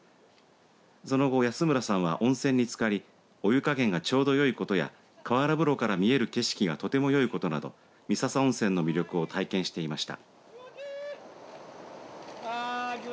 その後、安村さんは温泉につかりお湯加減がちょうどよいことや河原風呂から見える景色がとてもよいことなど三朝温泉の魅力を体験していました。